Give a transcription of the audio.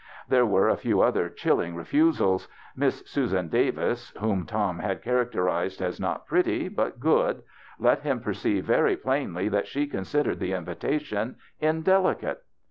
There were a few other chilling refusals. Miss Susan Davis, whom Tom had characterized as not pretty but good, let him perceive very plainly that she considered the invitation indelicate.